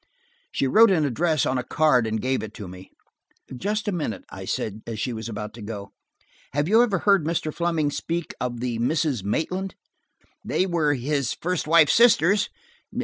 She wrote an address on a card and gave it to me. "Just a minute," I said, as she was about to go. "Have you ever heard Mr. Fleming speak of the Misses Maitland?" "They were–his first wife's sisters.